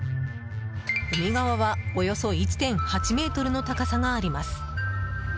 海側はおよそ１．８ｍの高さがあります。